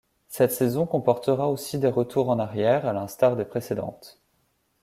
Cette saison comportera aussi des retours en arrière, à l'instar des précédentes.